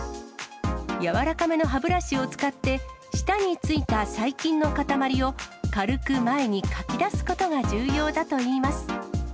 柔らかめの歯ブラシを使って、舌についた細菌の固まりを、軽く前にかき出すことが重要だといいます。